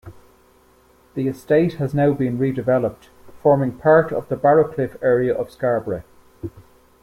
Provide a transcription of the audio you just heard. The estate has now been redeveloped, forming part of the Barrowcliff area of Scarborough.